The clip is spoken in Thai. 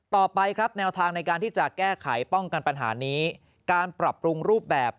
ต่อไปครับแนวทางในการที่จะแก้ไขป้องกันปัญหานี้การปรับปรุงรูปแบบ